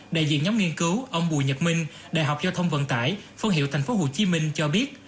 đại diện nhóm nghiên cứu ông bùi nhật minh đại học giao thông vận tải phân hiệu tp hcm cho biết